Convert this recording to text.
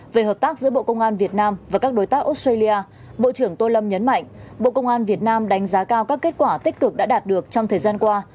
về hợp tác giữa bộ công an việt nam và các đối tác australia bộ trưởng tô lâm nhấn mạnh bộ công an việt nam đánh giá cao các kết quả tích cực đã đạt được trong thời gian qua